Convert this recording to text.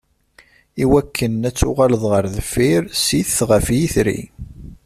Iwakken ad tuɣaleḍ ɣer deffir, sit ɣef yitri.